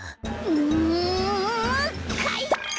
うんかいか！